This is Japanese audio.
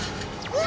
うわ！